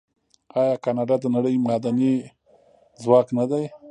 آیا کاناډا د نړۍ معدني ځواک نه دی؟